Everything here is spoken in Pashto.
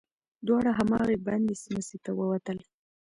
دواړه هماغې بندې سمڅې ته ووتل.